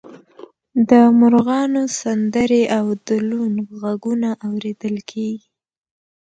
د مرغانو سندرې او د لوون غږونه اوریدل کیږي